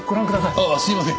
ああすいません。